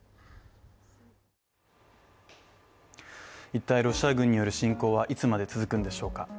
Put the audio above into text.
一体、ロシア軍による侵攻はいつまで続くんでしょうか。